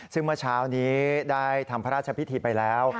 ซึ่งเมื่อเช้านี้ได้ทำพระราชพิธีไปแล้ว